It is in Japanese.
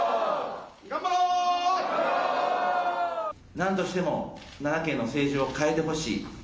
なんとしても、奈良県の政治を変えてほしい。